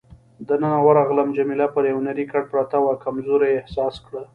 دننه ورغلم، جميله پر یو نرۍ کټ پرته وه، کمزوري یې احساس کړه.